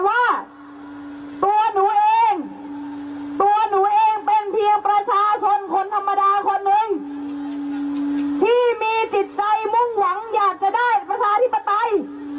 ที่มีติดใจมุ่งหวังอยากจะได้ประชาธิปไตย